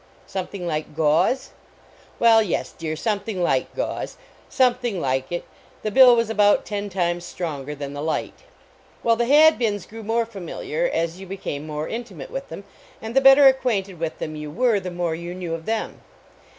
Something like gauze ? Well, yes, dear, something like gauze ; some thing like it; the bill was about ten times stronger than the light. Well, the Hadbins grew more familiar as you became more intimate with them, and the better acquainted with them you were, the more you knew of them.